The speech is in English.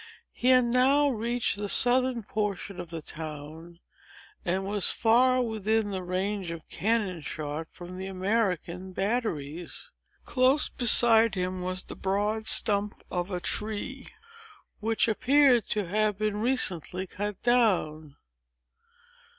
He had now reached the southern portion of the town, and was far within the range of cannon shot from the American batteries. Close beside him was the broad stump of a tree, which appeared to have been recently cut down.